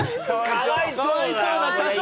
かわいそうだよ